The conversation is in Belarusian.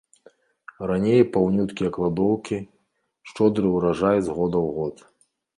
Раней паўнюткія кладоўкі, шчодры ўраджай з года ў год.